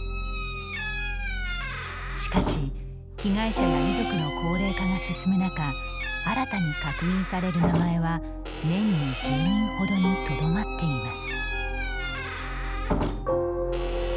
しかし被害者や遺族の高齢化が進む中新たに確認される名前は、年に１０人ほどにとどまっています。